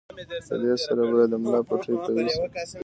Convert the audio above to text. د دې سره به ئې د ملا پټې قوي شي